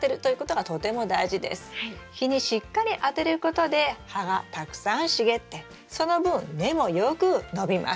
日にしっかり当てることで葉がたくさん茂ってその分根もよく伸びます。